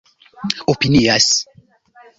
opinias